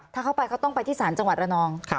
ถ้าเขาไปเขาต้องไปที่ศาลจังหวัดระนอง